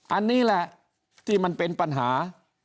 อันนี้แหละที่มันเป็นปัญหา